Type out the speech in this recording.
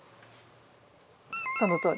そのとおり。